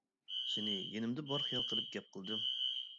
سىنى يېنىمدا بار خىيال قىلىپ گەپ قىلدىم.